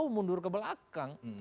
tahu mundur ke belakang